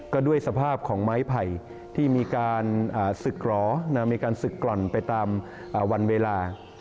ก็ด้วยสภาพของไม้ไผ่ที่มีการสึกกล่อนไปตามวันเวลา